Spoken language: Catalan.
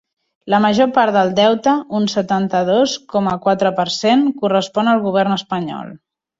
La major part del deute, un setanta-dos coma quatre per cent, correspon al govern espanyol.